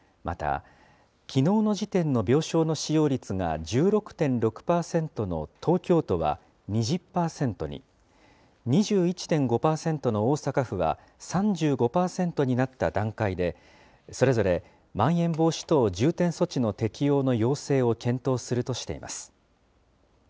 また、きのうの時点の病床の使用率が１６．６％の東京都は２０％に、２１．５％の大阪府は３５％になった段階で、それぞれまん延防止等重点措置の適用の要請を検討するとしています。